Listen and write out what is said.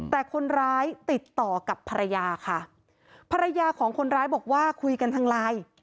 แต่คนร้ายติดต่อกับภรรยาค่ะภรรยาของคนร้ายบอกว่าคุยกันทางไลน์